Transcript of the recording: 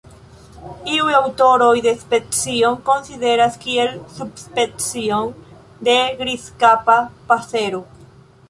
Iuj aŭtoroj la specion konsideras kiel subspecio de Grizkapa pasero.